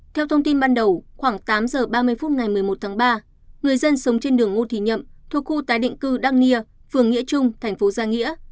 theo thông tin ban đầu khoảng tám giờ ba mươi phút ngày một mươi một tháng ba người dân sống trên đường ngô thị nhậm thuộc khu tái định cư đăng nia phường nghĩa trung thành phố gia nghĩa